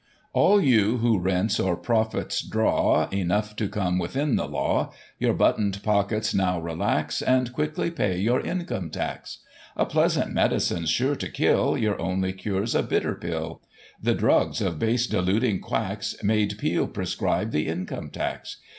All you who rents, or profits draw, Enough to come within the law, Your button'd pockets now relax, And quickly pay your Income Tax. A pleasant medicine's sure to kill. Your only cure's a bitter pill : The drugs of base deluding quacks Made Peel prescribe the Income Tax.